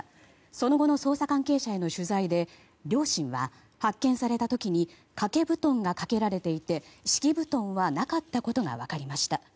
その後の捜査関係者への取材で両親は、発見された時に掛け布団がかけられていて敷布団はなかったことが分かりました。